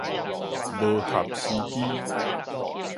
無合時機